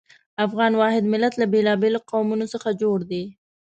افغان واحد ملت له بېلابېلو قومونو څخه جوړ دی.